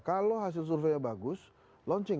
kalau hasil surveinya bagus launching